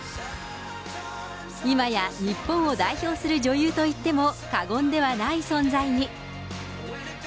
今や日本を代表する女優といっても過言ではない存在に。